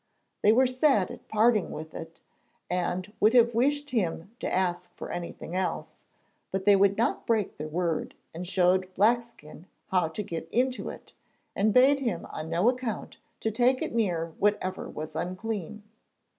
They were sad at parting with it, and would have wished him to ask for anything else, but they would not break their word and showed Blackskin how to get into it, and bade him on no account to take it near whatever was unclean.